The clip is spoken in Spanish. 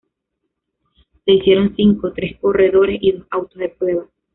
Se hicieron cinco, tres corredores y dos autos de prueba.